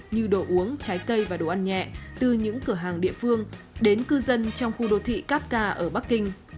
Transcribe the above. như đồ uống trái cây và đồ ăn nhẹ từ những cửa hàng địa phương đến cư dân trong khu đô thị kapka ở bắc kinh